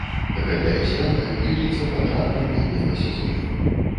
Гэтае свята лічыцца пачаткам летняга сезону.